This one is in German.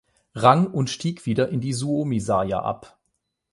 Rang und stieg wieder in die Suomi-sarja ab.